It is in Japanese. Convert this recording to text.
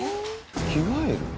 着替える？